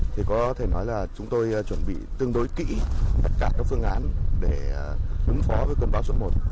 thì có thể nói là chúng tôi chuẩn bị tương đối kỹ tất cả các phương án để ứng phó với cơn bão số một